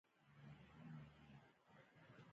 د نرمو طالبانو دریځ پر محور نه راچورلي.